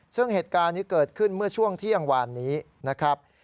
ซึ่งเหตุการณ์นี้เกิดขึ้นเมื่อช่วงเที่ยงวานนี้นะครับ